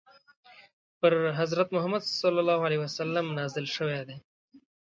پر حضرت محمد ﷺ نازل شوی دی.